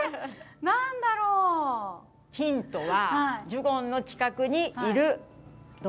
ヒントはジュゴンの近くにいる動物です。